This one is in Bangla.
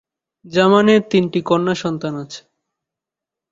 জামানের তিনটি কন্যা সন্তান আছে।